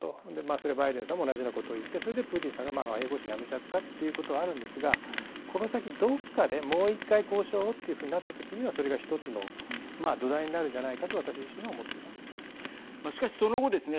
それはバイデンさんも同じようなことを言ってそれでプーチンさんが和平交渉やめちゃったということはあるんですがこの先どっかでもう１回交渉をとなった時にはそれが１つの土台になるんじゃないかとしかしその後ですね